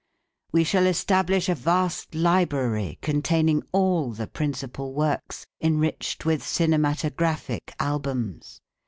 We shall establish a vast library containing all the principal works, enriched with cinematographic albums.